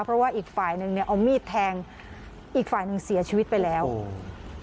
เพราะว่าอีกฝ่ายหนึ่งเนี่ยเอามีดแทงอีกฝ่ายหนึ่งเสียชีวิตไปแล้วอืม